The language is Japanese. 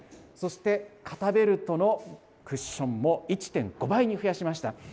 そして肩ベルトのクッションも１．５倍に増やしました。